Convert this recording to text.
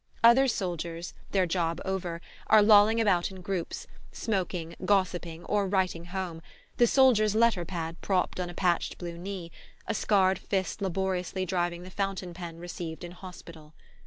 Other soldiers, their job over, are lolling about in groups, smoking, gossiping or writing home, the "Soldiers' Letter pad" propped on a patched blue knee, a scarred fist laboriously driving the fountain pen received in hospital.